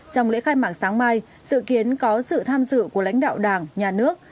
trong lễ khai mạc sáng mai sự kiến có sự tham dự của lãnh đạo đảng nhà nước